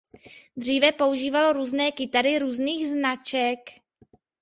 Dříve používal různé kytary různých značek.